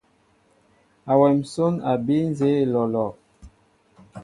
Awem nsón a bii nzeé olɔlɔ.